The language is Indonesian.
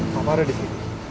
papa ada di sini